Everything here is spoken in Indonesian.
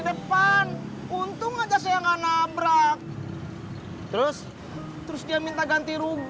depan untung aja saya nggak nabrak terus terus dia minta ganti rugi